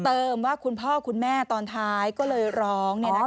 เติมว่าคุณพ่อคุณแม่ตอนท้ายก็เลยร้องเนี่ยนะคะ